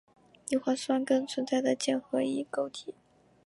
硫氰酸根存在键合异构体。